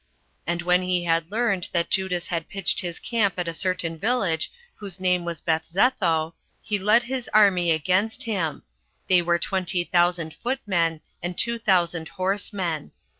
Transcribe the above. And when he had learned that Judas had pitched his camp at a certain village whose name was Bethzetho, he led his army against him: they were twenty thousand foot men, and two thousand horsemen.